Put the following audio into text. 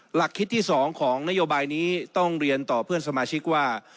หลักคิดที่๒ของนโยบายนี้ต้องเรียนต่อเพื่อนสมาชิกว่า